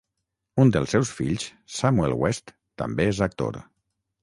Un dels seus fills, Samuel West, també és actor.